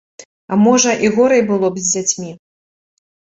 А можа, і горай было б з дзяцьмі?